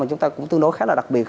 chúng ta cũng tương đối khá là đặc biệt